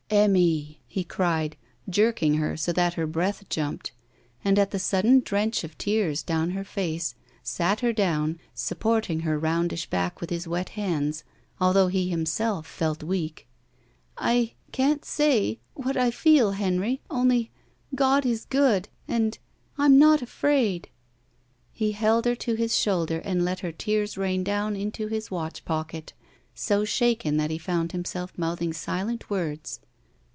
'*Enmiy!" he cried, jerking her so that her breath jumped, and at the sudden drench of tears down her face sat her down, supporting her rotmdish back with his wet hands, although he himself felt weak. '* I — can't say — ^what I feel, Henry — only — Grod is good and — I'm not afraid." He held her to his shoulder and let her tears rain down into his watch pocket, so shaken that he found himself mouthing silent words.